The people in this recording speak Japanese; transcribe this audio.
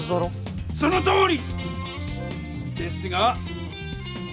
そのとおり！ですが。